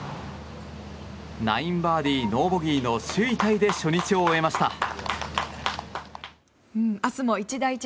９アンダー、ノーボギーの首位タイで初日を終えました。